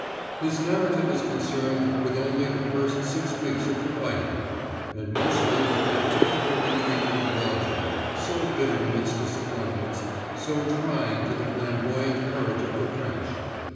His narrative is concerned with only the first six weeks of the fighting, and mostly with that terrible retreat from Belgium, so bitter in its disappointments, so trying to the flamboyant courage of the French.